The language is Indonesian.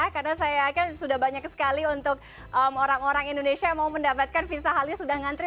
karena saya yakin sudah banyak sekali untuk orang orang indonesia yang mau mendapatkan visa halnya sudah ngantri